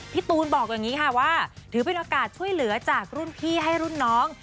พี่ตูนบอกอย่างนี้ค่ะว่าถือเป็นโอกาสช่วยเหลือจากรุ่นพี่ให้รุ่นน้อง